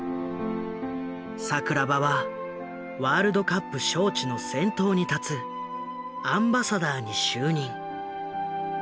桜庭はワールドカップ招致の先頭に立つアンバサダーに就任。